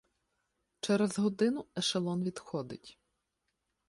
Через годину ешелон відходить.